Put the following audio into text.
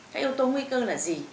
các yếu tố nguy cơ là gì